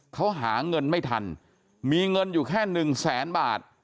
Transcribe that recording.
เขาหาเงินไม่ทันมีเงินอยู่แค่หนึ่งแสนบาท